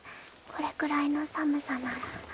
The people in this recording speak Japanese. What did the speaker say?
これくらいの寒さなら。